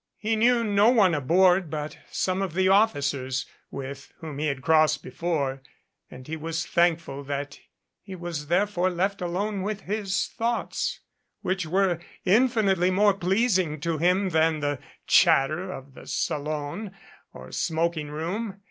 He knew no one aboard but some of the officers, i with whom he had crossed before, and he was thankful , that he was therefore left alone with his thoughts, which were infinitely more pleasing to him than the chatter of the salon or smoking room.